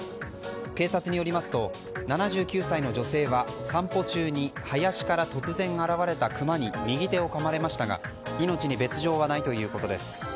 警察によりますと７９歳の女性は散歩中に林から突然現れたクマに右手をかまれましたが命に別条はないということです。